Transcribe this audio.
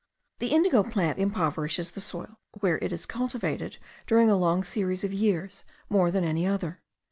The indigo plant impoverishes the soil, where it is cultivated during a long series of years, more than any other.